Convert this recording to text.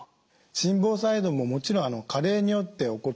心房細動ももちろん加齢によって起こってきます。